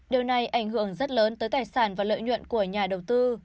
điều này ảnh hưởng rất lớn tới tài sản và lợi nhuận của nhà đầu tư